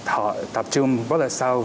họ tập trung rất là sâu